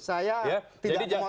saya tidak memotongnya dia